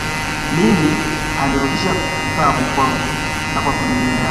Mimi alirudisha tabu kwangu na kwa familia yangu